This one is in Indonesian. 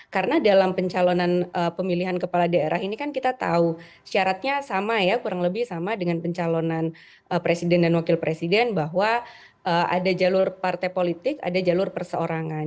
karena dalam pencalonan pemilihan kepala daerah ini kan kita tahu syaratnya sama ya kurang lebih sama dengan pencalonan presiden dan wakil presiden bahwa ada jalur partai politik ada jalur perseorangan